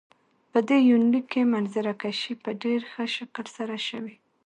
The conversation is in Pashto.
په دې يونليک کې منظره کشي په ډېر ښه شکل سره شوي.